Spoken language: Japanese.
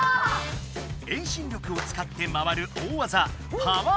遠心力をつかって回る大技